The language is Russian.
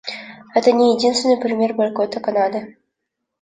Это не единственный пример бойкота Канады.